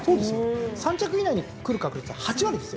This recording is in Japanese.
３着以内に来る確率８割ですよ。